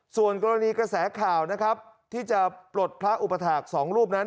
ส่วนกรณีกระแสข่าวนะครับที่จะปลดพระอุปถาค๒รูปนั้น